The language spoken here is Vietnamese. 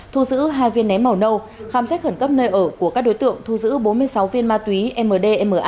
thu giữ hai viên nén màu nâu khám xét khẩn cấp nơi ở của các đối tượng thu giữ bốn mươi sáu viên ma túy mdma